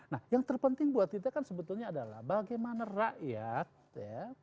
nah yang terpenting buat kita kan sebetulnya adalah bagaimana rakyat ya